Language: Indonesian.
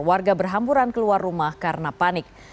warga berhamburan keluar rumah karena panik